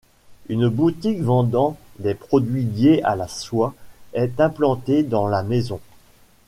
Une boutique vendant des produits liés à la soie est implantée dans la maison.